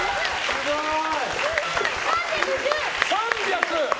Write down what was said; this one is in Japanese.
すごい！